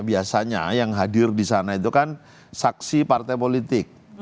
biasanya yang hadir di sana itu kan saksi partai politik